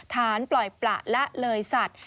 ฐานปล่อยปลั๊ดและเลยสัตว์